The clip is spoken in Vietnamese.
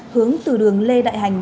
hướng từ đường lê đại hành